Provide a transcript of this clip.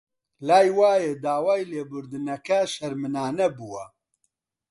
لای وایە داوای لێبوردنەکە شەرمنانە بووە